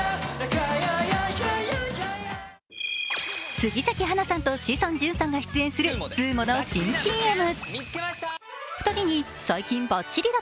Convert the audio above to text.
杉咲花さんと志尊淳さんが出演するＳＵＵＭＯの新ＣＭ。